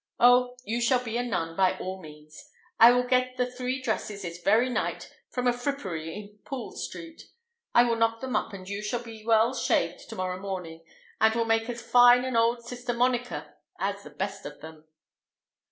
Oh! you shall be a nun, by all means. I will get the three dresses this very night from a frippery in Pool Street; I will knock them up, and you shall be well shaved to morrow morning, and will make as fine an old Sister Monica as the best of them."